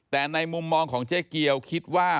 แต่ในมุมมองของเจ๊เกียวคิดว่า